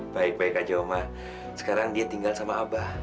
baik baik aja oma sekarang dia tinggal sama abah